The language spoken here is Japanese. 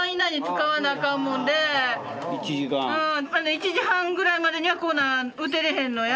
１時半ぐらいまでには来な打てれへんのや。